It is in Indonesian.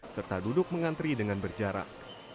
serta duduk mengantri dengan berjarak